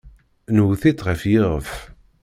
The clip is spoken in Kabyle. Nwet-itt ɣer yiɣef.